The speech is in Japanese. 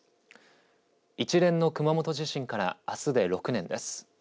一連の熊本地震からあすで６年です。